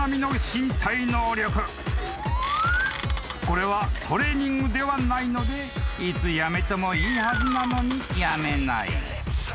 ［これはトレーニングではないのでいつやめてもいいはずなのにやめない］